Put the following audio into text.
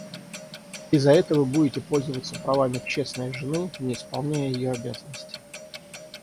И за это вы будете пользоваться правами честной жены, не исполняя ее обязанностей.